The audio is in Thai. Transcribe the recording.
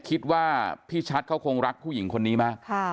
คิดว่าพี่ชัดเขาคงรักผู้หญิงคนนี้มาก